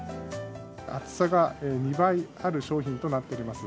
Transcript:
厚さが２倍ある商品となっております。